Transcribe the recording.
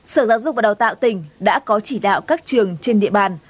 sở giáo dục và đào tạo tỉnh đã có chỉ đạo các trường trên địa bàn